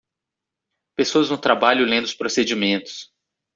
Pessoas no trabalho lendo os procedimentos.